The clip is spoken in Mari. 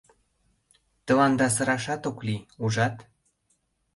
Тыланда сырашат ок лий, ужат!